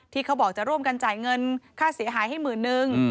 ที่เขาบอกจะร่วมกันจ่ายเงินค่าเสียหายให้หมื่นนึง